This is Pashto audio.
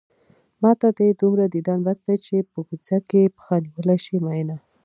ماته دې دومره ديدن بس دی چې په کوڅه کې پښه نيولی شې مينه